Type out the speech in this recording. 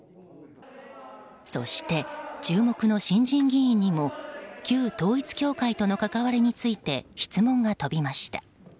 そして、注目の新人議員にも旧統一教会との関わりについて質問が飛びました。